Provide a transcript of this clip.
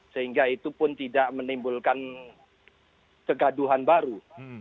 sehingga itu pun tidak menimbulkan kegaduhan baru